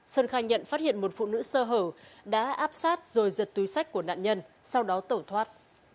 sơn khai nhận phát hiện một phụ nữ sơ hở đã áp sát rồi giật túi sách của nạn nhân sau đó tẩu thoát